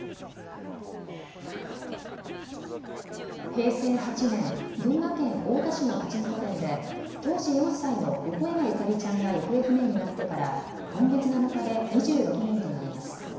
平成８年、群馬県太田市のパチンコ店で当時４歳の横山ゆかりちゃんが行方不明になってから今月７日で２６年となります。